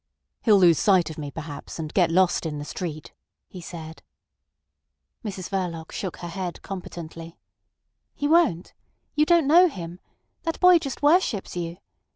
"He'll lose sight of me perhaps, and get lost in the street," he said. Mrs Verloc shook her head competently. "He won't. You don't know him. That boy just worships you.